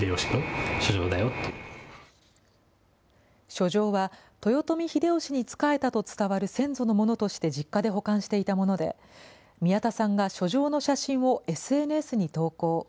書状は、豊臣秀吉に仕えたと伝わる先祖のものとして実家で保管していたもので、宮田さんが書状の写真をＳＮＳに投稿。